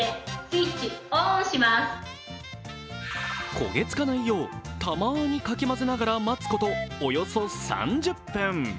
焦げつかないよう、たまにかき混ぜながら待つことおよそ３０分。